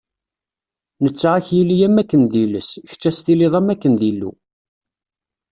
Netta ad k-yili am wakken d iles, kečč ad s-tiliḍ am wakken d Illu.